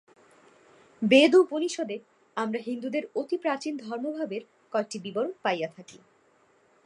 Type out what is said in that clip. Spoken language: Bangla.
বেদ ও উপনিষদে আমরা হিন্দুদের অতি প্রাচীন ধর্মভাবের কয়েকটির বিবরণ পাইয়া থাকি।